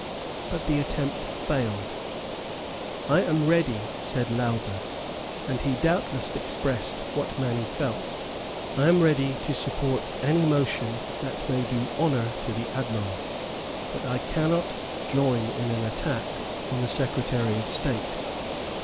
But the attempt failed. "I am ready," said Lowther, and he doubtless expressed what many felt, "I am ready to support any motion that may do honour to the Admiral; but I cannot join in an attack on the Secretary of State.